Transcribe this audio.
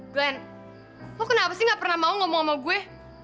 gan kok kenapa sih gak pernah mau ngomong sama gue